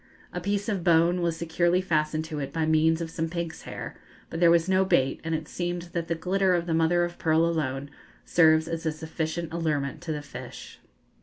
A piece of bone was securely fastened to it by means of some pig's hair, but there was no bait, and it seems that the glitter of the mother of pearl alone serves as a sufficient allurement to the fish.